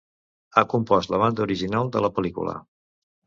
Ha compost la banda original de la pel·lícula.